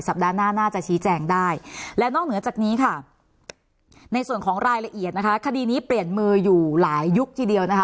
หน้าน่าจะชี้แจงได้และนอกเหนือจากนี้ค่ะในส่วนของรายละเอียดนะคะคดีนี้เปลี่ยนมืออยู่หลายยุคทีเดียวนะคะ